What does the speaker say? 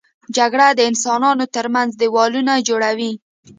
جګړه د انسانانو تر منځ دیوالونه جوړوي